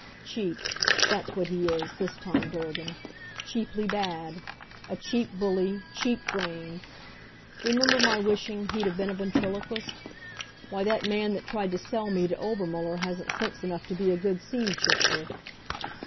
Cheap that's what he is, this Tom Dorgan. Cheaply bad a cheap bully, cheap brained. Remember my wishing he'd have been a ventriloquist? Why, that man that tried to sell me to Obermuller hasn't sense enough to be a good scene shifter.